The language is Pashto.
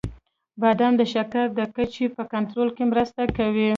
• بادام د شکر د کچې په کنټرول کې مرسته کوي.